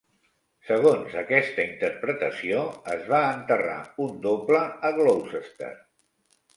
Segons aquesta interpretació, es va enterrar un doble a Gloucester.